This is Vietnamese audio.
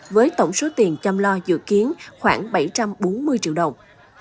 với tổng số tiền chăm lo dự kiến khoảng bảy trăm bốn mươi triệu đồng